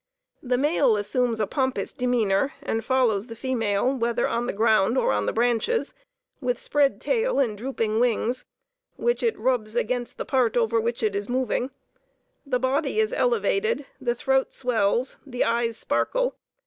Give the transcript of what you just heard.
The male assumes a pompous demeanor, and follows the female whether on the ground or on the branches, with spread tail and drooping wings, which it rubs against the part over which it is moving. The body is elevated, the throat swells, the eyes sparkle.